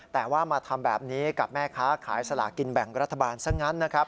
แต่ว่ามาทำแบบนี้กับแม่ค้าขายสลากินแบ่งรัฐบาลซะงั้นนะครับ